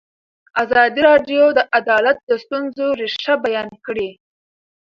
ازادي راډیو د عدالت د ستونزو رېښه بیان کړې.